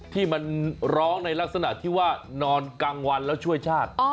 ที่มันร้องในลักษณะที่ว่านอนกลางวันแล้วช่วยชาติ